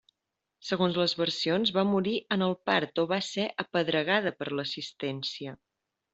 Segons les versions va morir en el part o va ser apedregada per l'assistència.